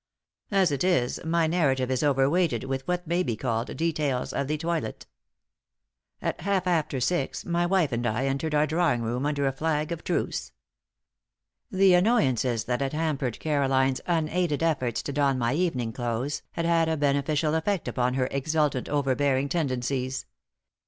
As it is, my narrative is overweighted with what may be called details of the toilet. At half after six my wife and I entered our drawing room under a flag of truce. The annoyances that had hampered Caroline's unaided efforts to don my evening clothes had had a beneficial effect upon her exultant, overbearing tendencies.